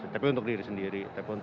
tapi untuk diri sendiri